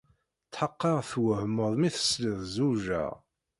Tḥeqqeɣ twehmeḍ mi tesliḍ zewjeɣ.